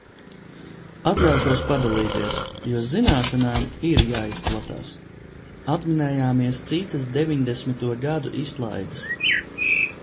Atļaušos padalīties, jo zināšanām ir jāizplatās. Atminējāmies citas deviņdesmito gadu izklaides.